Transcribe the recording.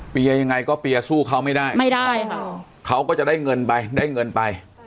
ยังไงก็เปียร์สู้เขาไม่ได้ไม่ได้ค่ะเขาก็จะได้เงินไปได้เงินไป